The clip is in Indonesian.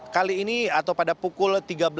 kali ini atau pada pukul tiga tiga puluh